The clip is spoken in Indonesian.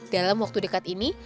dalam waktu dekat ini